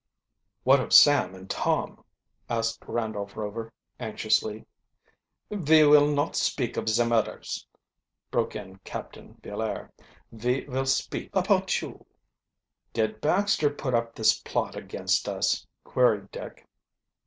"What of Sam and Tom?" asked Randolph Rover anxiously. "Ve will not speak of zem udders," broke in Captain Villaire. "Ve vill speak apout you." "Did Baxter put up this plot against us? queried Dick.